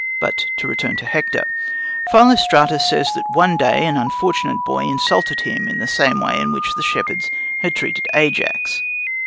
But to return to Hector. Philostratus says that one day an unfortunate boy insulted him in the same way in which the shepherds had treated Ajax.